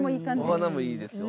お花もいいですよ。